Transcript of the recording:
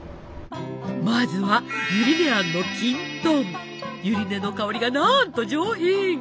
まずはゆり根の香りがなんと上品！